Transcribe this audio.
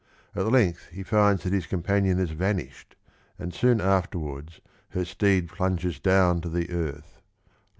At length he finds that his companion has vanished, and soon afterwards her steed plunges down to the earth (512).